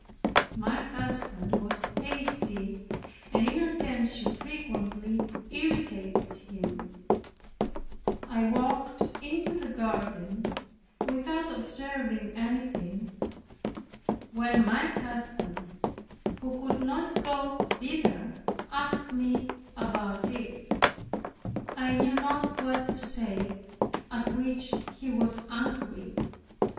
My husband was hasty, and inattention frequently irritated him. I walked into the garden, without observing anything. When my husband, who could not go thither, asked me about it, I knew not what to say, at which he was angry.